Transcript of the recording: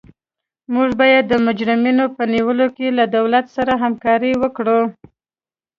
موږ باید د مجرمینو په نیولو کې له دولت سره همکاري وکړو.